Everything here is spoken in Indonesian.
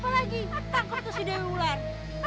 ya udah nih tunggu apa lagi tangkap tuh si dewi ular